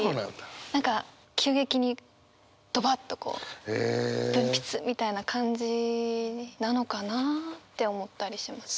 何か急激にドバッとこう分泌みたいな感じなのかな？って思ったりします。